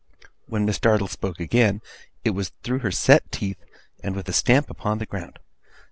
When Miss Dartle spoke again, it was through her set teeth, and with a stamp upon the ground.